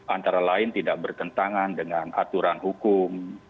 antara lain tidak bertentangan dengan aturan hukum